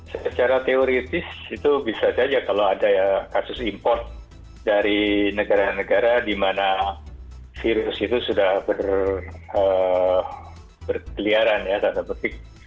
secara teoritis itu bisa saja kalau ada kasus import dari negara negara di mana virus itu sudah berkeliaran ya tanda petik